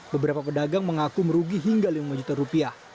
beberapa pedagang mengaku merugi hingga lima juta rupiah